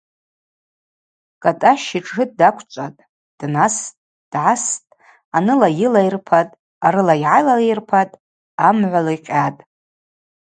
Кӏатӏащ йтшы даквчӏватӏ, днастӏ, дгӏастӏ, аныла йылайырпатӏ, арыла йгӏалайырпатӏ – амгӏва ликъьатӏ.